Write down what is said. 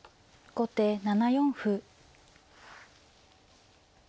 後手７四歩。